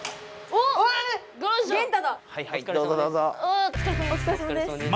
おつかれさまです。